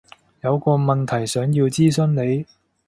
有個問題想要諮詢你